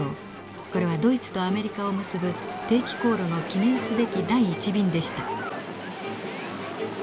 これはドイツとアメリカを結ぶ定期航路の記念すべき第１便でした。